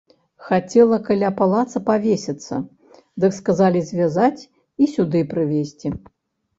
Хацела каля палаца павесіцца, дык сказалі звязаць і сюды прывесці!